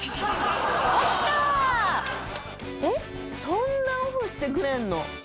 そんなオフしてくれるの？